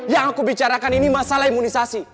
yang aku bicarakan ini masalah imunisasi